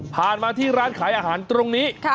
มาที่ร้านขายอาหารตรงนี้